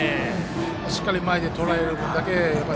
しっかり前でとらえることだけ考えて。